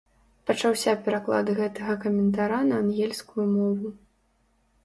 Пачаўся пераклад гэтага каментара на ангельскую мову.